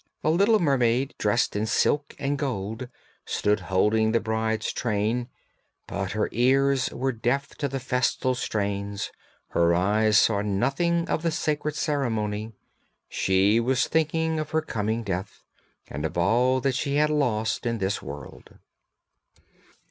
The little mermaid dressed in silk and gold stood holding the bride's train, but her ears were deaf to the festal strains, her eyes saw nothing of the sacred ceremony; she was thinking of her coming death and of all that she had lost in this world.